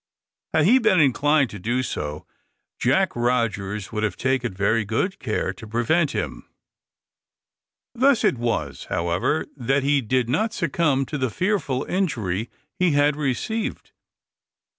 Had he been inclined to do so, Jack Rogers would have taken very good care to prevent him. Thus it was, however, that he did not succumb to the fearful injury he had received.